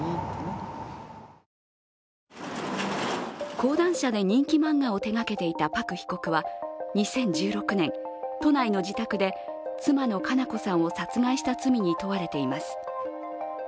講談社で人気漫画を手がけていたパク被告は２０１６年、都内の自宅で妻の佳菜子さんを殺害した罪に問われています。